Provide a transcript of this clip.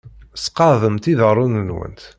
Sqeɛdemt iḍarren-nwent.